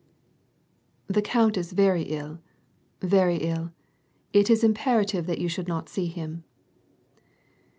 * The count is very, very ill ; it is imperative that you should not see him."